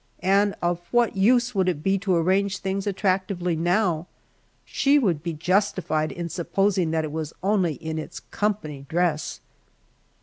And of what use would it be to arrange things attractively now? She would be justified in supposing that it was only in its company dress.